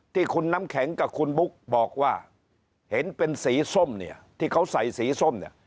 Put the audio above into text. ที่คุณน้ำแข็งกับคุณบุ๊กบอกว่าเห็นเป็นสีส้มเนี่ยที่เขาใส่สีส้มเนี่ย